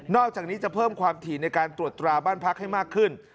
อกจากนี้จะเพิ่มความถี่ในการตรวจตราบ้านพักให้มากขึ้น